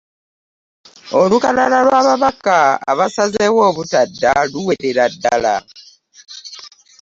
Olukalala lw’ababaka abasazeewo obutadda luwerera ddala